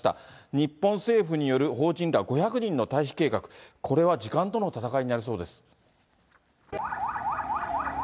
日本政府による邦人ら５００人の退避計画、これは時間との戦いになりそうです。